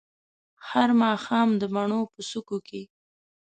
هر ماښام د بڼو په څوکو کې